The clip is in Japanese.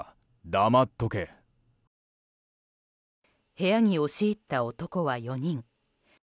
部屋に押し入った男は４人。